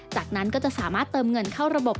จากนั้นก็จะสามารถเติมเงินเข้าระบบ